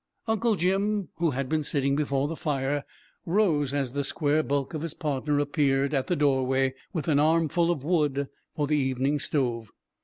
Uncle Jim, who had been sitting before the fire, rose as the square bulk of his partner appeared at the doorway with an armful of wood for the evening stove.